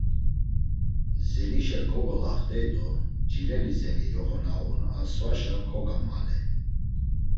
Zenişa kogolaxt̆ey do Cilenizeni yoxo na uğun a svaşa kogammaley.